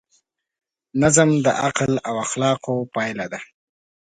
نظم د عقل او اخلاقو پایله ده.